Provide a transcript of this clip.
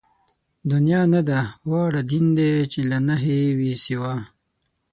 دنيا نه ده واړه دين دئ چې له نَهېِ وي سِوا